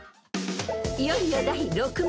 ［いよいよ第６問］